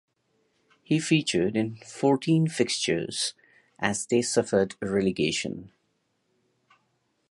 He featured in fourteen fixtures as they suffered relegation.